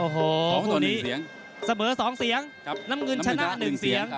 โอ้โห๒ตัวนี้เสมอ๒เสียงน้ำเงินชนะ๑เสียง